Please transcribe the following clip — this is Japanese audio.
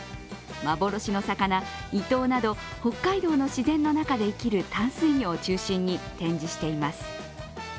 幻の魚・イトウなど北海道の自然の中で生きる淡水魚を中心に展示しています。